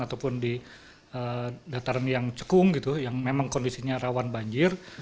ataupun di dataran yang cekung gitu yang memang kondisinya rawan banjir